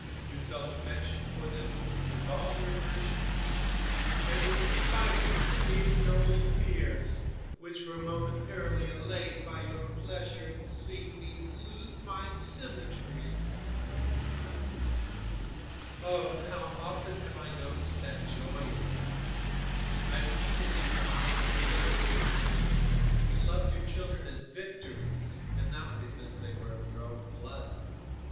You felt affection for them, with all your aversion to me, and in spite of your ignoble fears, which were momentarily allayed by your pleasure in seeing me lose my symmetry. "Oh! how often have I noticed that joy in you! I have seen it in your eyes and guessed it. You loved your children as victories, and not because they were of your own blood.